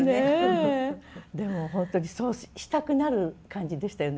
でも本当にそうしたくなる感じでしたよね